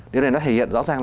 điều này nó thể hiện rõ ràng